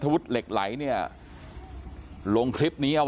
พี่บูรำนี้ลงมาแล้ว